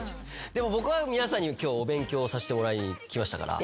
でも僕は皆さんに今日お勉強させてもらいに来ましたから。